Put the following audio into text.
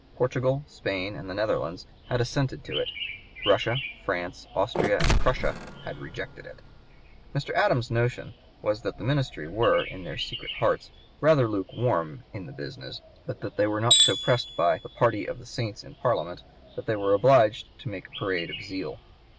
Portugal, Spain, and the Netherlands had assented to it; Russia, France, Austria, and Prussia had rejected it. Mr. Adams's notion was that the ministry were, in their secret hearts, rather lukewarm in the business, but that they were so pressed by "the party of the saints in Parliament" that they were obliged to make a parade of zeal.